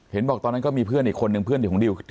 บอกตอนนั้นก็มีเพื่อนอีกคนนึงเพื่อนอยู่ของดิว